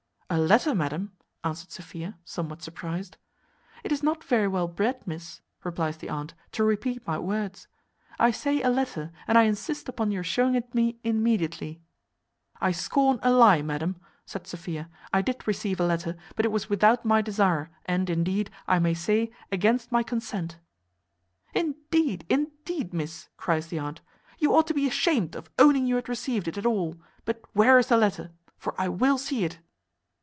"A letter, madam!" answered Sophia, somewhat surprized. "It is not very well bred, miss," replies the aunt, "to repeat my words. I say a letter, and I insist upon your showing it me immediately." "I scorn a lie, madam," said Sophia; "I did receive a letter, but it was without my desire, and, indeed, I may say, against my consent." "Indeed, indeed, miss," cries the aunt, "you ought to be ashamed of owning you had received it at all; but where is the letter? for I will see it."